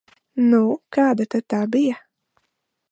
Nu, kāda tad tā bija?